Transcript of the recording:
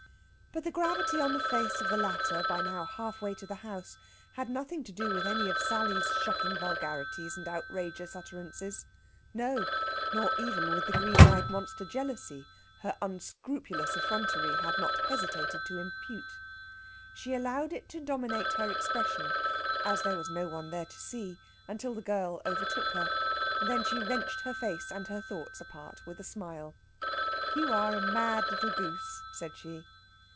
But the gravity on the face of the latter, by now half way to the house, had nothing to do with any of Sally's shocking vulgarities and outrageous utterances. No, nor even with the green eyed monster Jealousy her unscrupulous effrontery had not hesitated to impute. She allowed it to dominate her expression, as there was no one there to see, until the girl overtook her. Then she wrenched her face and her thoughts apart with a smile. "You are a mad little goose," said she.